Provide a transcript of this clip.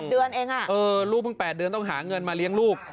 เดือนเองลูกเพิ่ง๘เดือนต้องหาเงินมาเลี้ยงลูก